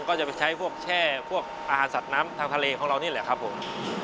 ก็จะไปใช้พวกแช่พวกอาหารสัตว์น้ำทางทะเลของเรานี่แหละครับผม